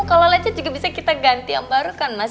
kalau lecet juga bisa kita ganti yang baru kan mas